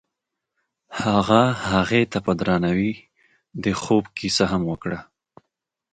هغه هغې ته په درناوي د خوب کیسه هم وکړه.